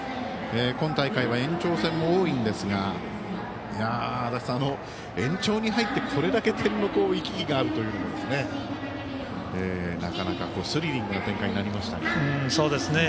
今大会は延長戦も多いんですが足達さん、延長に入ってこれだけ点の行き来があるというのもなかなかスリリングな展開になりました。